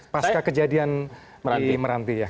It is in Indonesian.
pasca kejadian di meranti ya